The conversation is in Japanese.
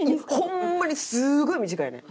ホンマにすごい短いねん。